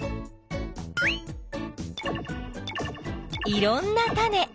いろんなタネ。